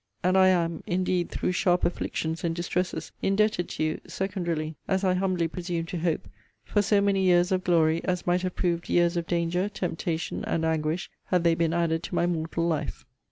And I am (indeed through sharp afflictions and distresses) indebted to you, secondarily, as I humbly presume to hope, for so many years of glory, as might have proved years of danger, temptation, and anguish, had they been added to my mortal life.